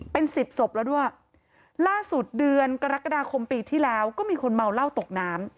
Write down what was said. เป็นสิบศพแล้วด้วยล่าสุดเดือนกรกฎาคมปีที่แล้วก็มีคนเมาเหล้าตกน้ำ